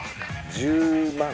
１０万？